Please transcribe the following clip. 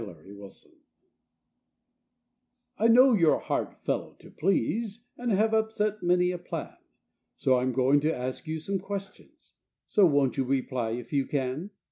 CRITIC I know you're a hard old fellow to please, And have upset many a plan; So I'm going to ask you some questions, So won't you reply, if you can?